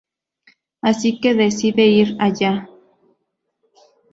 Así que decide ir allá.